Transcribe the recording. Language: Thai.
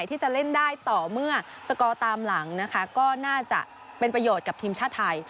ที่จะเล่นได้ต่อเมื่อสกอร์ตามหลังนะคะก็น่าจะเป็นประโยชน์กับทีมชาติไทย